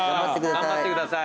頑張ってください。